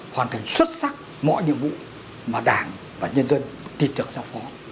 hoàn thành xuất sắc mọi nhiệm vụ mà đảng và nhân dân tìm được giao phó